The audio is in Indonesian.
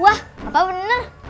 wah apa bener